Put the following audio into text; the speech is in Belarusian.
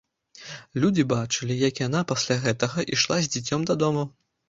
Людзі бачылі, як яна пасля гэтага ішла з дзіцем дадому.